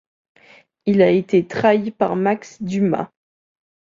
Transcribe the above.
Il a été trahi par Max Dumas.